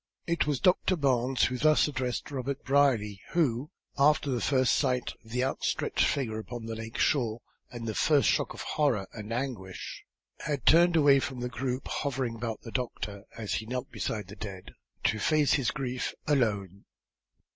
It was Doctor Barnes who thus addressed Robert Brierly, who, after the first sight of the outstretched figure upon the lake shore, and the first shock of horror and anguish, had turned away from the group hovering about the doctor, as he knelt beside the dead, to face his grief alone.